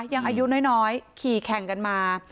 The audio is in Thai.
ยังอายุน้อยขี่แข่งกันมา